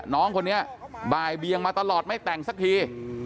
น้องคนนี้บ่ายเบียงมาตลอดไม่แต่งสักที